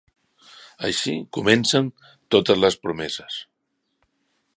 Així comencen totes les promeses.